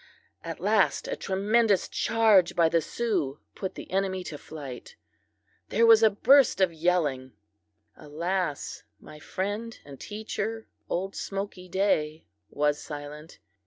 At last a tremendous charge by the Sioux put the enemy to flight; there was a burst of yelling; alas! my friend and teacher, old Smoky Day, was silent.